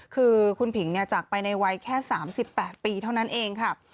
คือคุณผิงจากไปในวัยแค่๓๘ปีเท่านั้นเองค่ะ